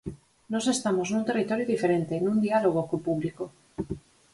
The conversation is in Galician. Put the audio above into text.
Nós estamos nun territorio diferente, nun diálogo co público.